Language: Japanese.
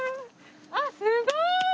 あっすごーい！